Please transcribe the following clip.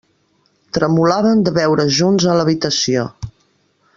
Tremolaven de veure's junts en l'habitació.